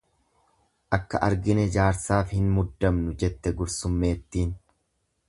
Akka argine jaarsaaf hin muddamnu jette gursummeettiin.